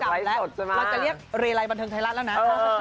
เราจะเรียกเรลัยบันเทิงไทยรัฐแล้วนะ